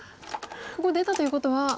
ここ出たということは。